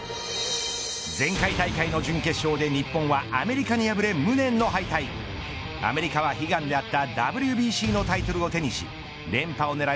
前回大会の準決勝で日本はアメリカに敗れ無念の敗退アメリカは悲願であったＷＢＣのタイトルを手にし連覇を狙う